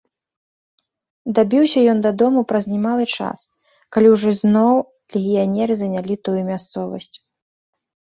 Дабіўся ён дадому праз немалы час, калі ўжо зноў легіянеры занялі тую мясцовасць.